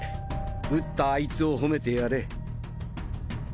打ったあいつを褒めてやれ。